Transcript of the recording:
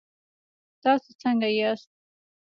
تاسو څنګ ياست؟